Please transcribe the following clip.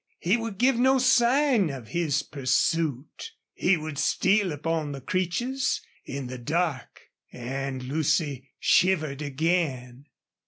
He would give no sign of his pursuit. He would steal upon the Creeches in the dark and Lucy shivered again.